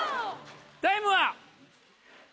タイムは。